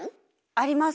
あります。